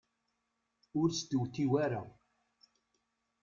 Ur stewtiw ara.